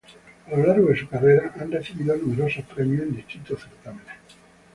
A lo largo de su carrera han recibido numerosos premios en distintos certámenes.